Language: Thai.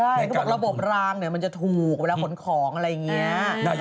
ใช่เขาบอกระบบรางมันจะถูกเวลาขนของอะไรอย่างนี้